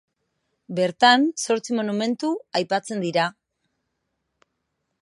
Bertan zortzi monumentu aipatzen dira.